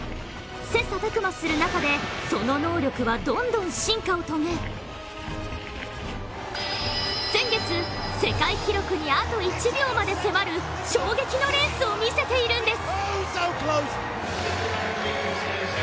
切磋琢磨する中でその能力はどんどん進化を遂げ先月、世界記録にあと１秒まで迫る衝撃のレースを見せているんです。